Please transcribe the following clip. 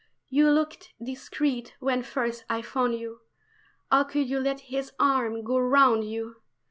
You looked discreet when first I found you. How could you let his arm go round you?